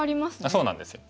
そうなんですよ。